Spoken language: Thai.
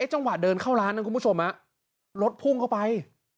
จังหวะเดินเข้าร้านนั้นคุณผู้ชมรถพุ่งเข้าไป